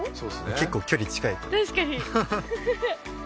結構距離近いね。